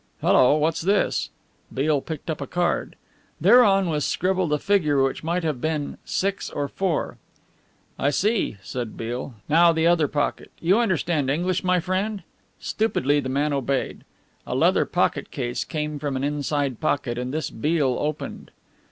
"Hello, what's this?" Beale picked up a card. Thereon was scribbled a figure which might have been 6 or 4. "I see," said Beale, "now the other pocket you understand English, my friend?" Stupidly the man obeyed. A leather pocket case came from an inside pocket and this Beale opened.